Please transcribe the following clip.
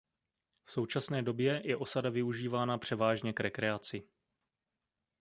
V současné době je osada využívána převážně k rekreaci.